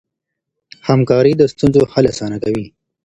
همکاري د ستونزو حل اسانه کوي.